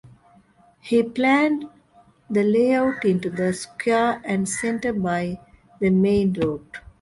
He planned the layout into the square and center by the main road.